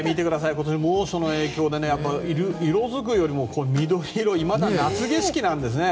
今年は猛暑の影響で色づくよりも緑色いまだ夏景色なんですね。